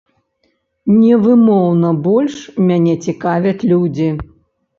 Невымоўна больш мяне цікавяць людзі.